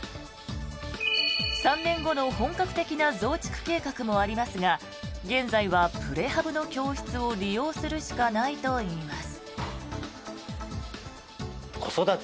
３年後の本格的な増築計画もありますが現在はプレハブの教室を利用するしかないといいます。